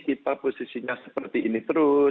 kita posisinya seperti ini terus